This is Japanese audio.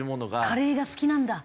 カレーが好きなんだっていう。